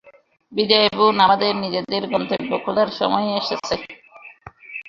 বিদায় বোন, আমাদের নিজেদের গন্তব্য খোঁজার সময় এসেছে।